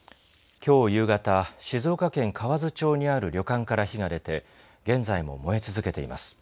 きょう夕方、静岡県河津町にある旅館から火が出て、現在も燃え続けています。